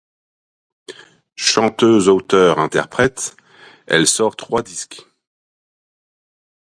Chanteuse auteure interprète, elle sort trois disques.